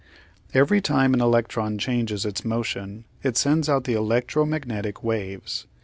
Every time an electron changes its motion it sends out the electromagnetic waves.